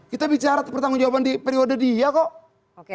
kita bicara pertanggungjawaban di periode dia kok